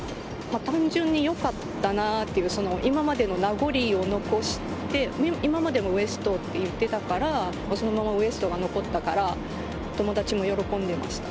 単純によかったなっていう、今までの名残を残して、今までもＷＥＳＴって言ってたから、そのままＷＥＳＴ．が残ったから、友達も喜んでました。